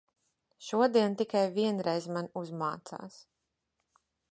Šodien tikai vienreiz man uzmācās.